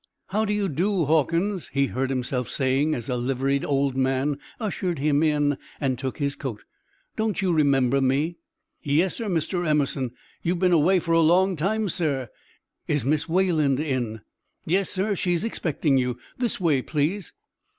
"How do you do, Hawkins," he heard himself saying, as a liveried old man ushered him in and took his coat. "Don't you remember me?" "Yes, sir! Mr. Emerson. You have been away for a long time, sir." "Is Miss Wayland in?" "Yes, sir; she is expecting you. This way, please."